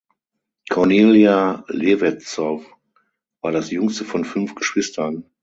Cornelia Levetzow war das jüngste von fünf Geschwistern.